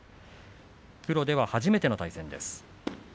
プロでは初めての対戦になります。